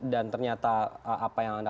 dan ternyata apa yang anda